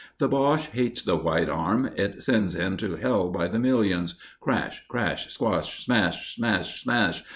The Boche hates the white arm it sends him to hell by the million! Crash! Crash! Squash! Smash! Smash! Smash!